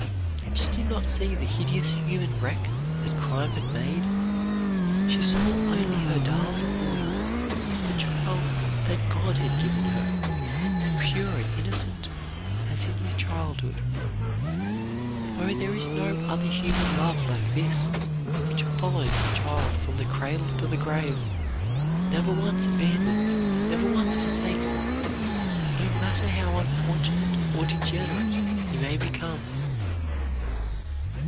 She did not see the hideous human wreck that crime had made. She saw only her darling boy, the child that God had given her, pure and innocent as in his childhood. Oh, there is no other human love like this, which follows the child from the cradle to the grave, never once abandons, never once forsakes him, no matter how unfortunate or degenerate he may become.